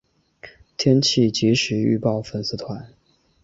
天气即时预报粉丝团